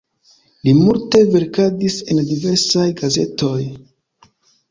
Li multe verkadis en diversaj gazetoj.